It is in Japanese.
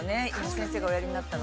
先生がおやりにやったの。